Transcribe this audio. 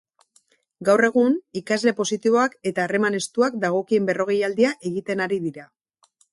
Gaur egun, ikasle positiboak eta harreman estuak dagokien berrogeialdia egiten ari dira.